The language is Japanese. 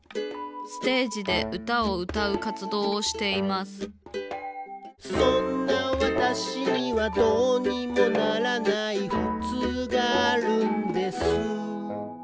ステージでうたをうたうかつどうをしています「そんな私には、どうにもならない」「ふつうがあるんです」